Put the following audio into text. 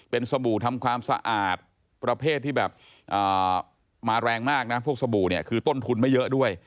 เป็นสบู่ทำความสะอาดประเภทที่แบบมาแรงมากนะพวกสบู่เนี่ยคือต้นทุนไม่เยอะด้วย